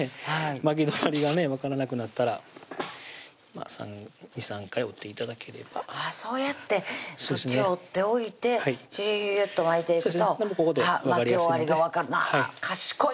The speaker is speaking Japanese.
巻き止まりがね分からなくなったら２３回折って頂ければそうやってそっちを折っておいてシュシュシュッと巻いていくと巻き終わりが分かるまぁ賢い！